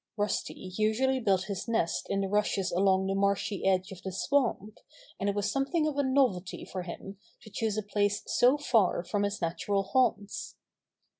Rusty usually built his nest in the rushes along the marshy edge of the swamp, and it was something of a novelty for him to choose a place so far from his natural haunts.